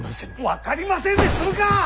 分かりませんで済むか！